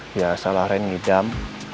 biasalah ren ngidam